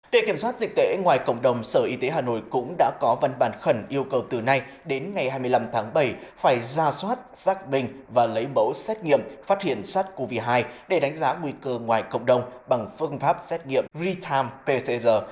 để kiểm soát dịch tễ ngoài cộng đồng sở y tế hà nội cũng đã có văn bản khẩn yêu cầu từ nay đến ngày hai mươi năm tháng bảy phải ra soát xác minh và lấy mẫu xét nghiệm phát hiện sars cov hai để đánh giá nguy cơ ngoài cộng đồng bằng phương pháp xét nghiệm real time pcr